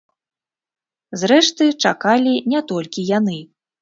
Зрэшты, чакалі не толькі яны.